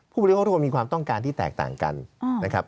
บริโภคทุกคนมีความต้องการที่แตกต่างกันนะครับ